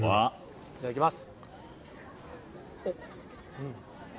いただきます。